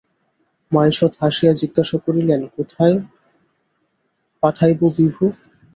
মা ঈষৎ হাসিয়া জিজ্ঞাসা করিলেন, কোথায় পাঠাইব বিভু।